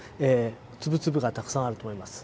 粒々がたくさんあると思います。